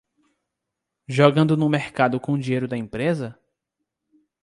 Jogando no mercado com o dinheiro da empresa?